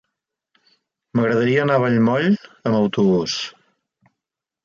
M'agradaria anar a Vallmoll amb autobús.